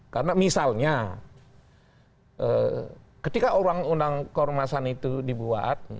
karena misalnya ketika orang undang keormasan itu dibuat